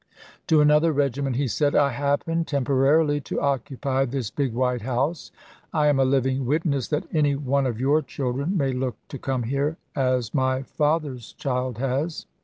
To another regiment he said :" I happen, tem porarily, to occupy this big white house. I am a living witness that any one of your children may look to come here as my father's child has.